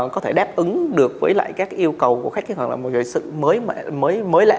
có thể đáp ứng được với lại các yêu cầu của khách hàng hoặc là một sự mới lẽ